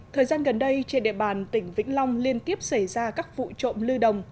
thời gian gần đây trên địa bàn tỉnh vĩnh long liên tiếp xảy ra các vụ trộm lưu đồng